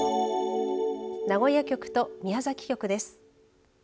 名古屋局と宮崎局です。